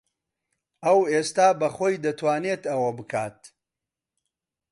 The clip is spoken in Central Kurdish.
ئەو ئێستا بەخۆی دەتوانێت ئەوە بکات.